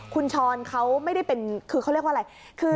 คุณชรเขาไม่ได้เป็นคือเขาเรียกว่าอะไร